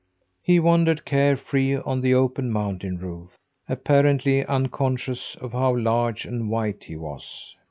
He wandered, care free, on the open mountain roof apparently unconscious of how large and white he was.